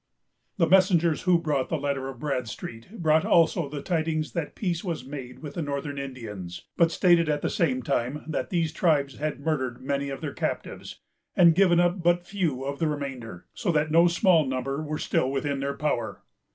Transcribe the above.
The messengers who brought the letter of Bradstreet brought also the tidings that peace was made with the northern Indians; but stated, at the same time, that these tribes had murdered many of their captives, and given up but few of the remainder, so that no small number were still within their power.